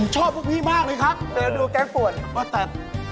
สามารถรับชมได้ทุกวัย